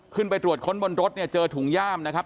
ขึ้นไปตรวจค้นบนรถเนี่ยเจอถุงย่ามนะครับ